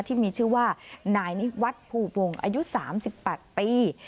ที่มีชื่อว่านายนิวัฒน์ภูวงอายุ๓๘ปี